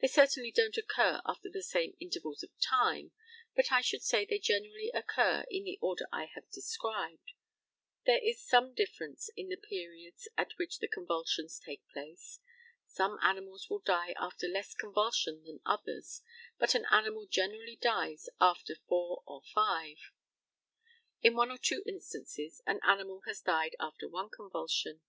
They certainly don't occur after the same intervals of time, but I should say they generally occur in the order I have described. There is some difference in the periods at which the convulsions take place. Some animals will die after less convulsion than others, but an animal generally dies after four or five. In one or two instances an animal has died after one convulsion.